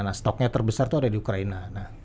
nah stoknya terbesar itu ada di ukraina